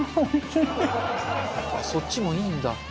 そっちもいいんだ。